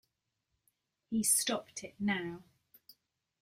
He’s stopped it now.